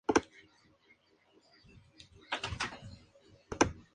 Desde hace mucho tiempo la ciudad ha superado la superficie de terrenos calculados originalmente.